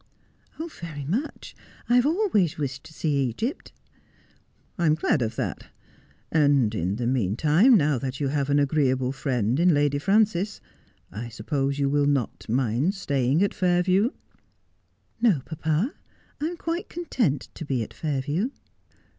' Very much. I have always wished to see Egypt.' ' I am glad of that. And in the meantime, now that you have an agreeable friend in Lady Frances, I suppose you will not mind staying at Fairview.' ' No, papa, I am quite content to be at Fairview.'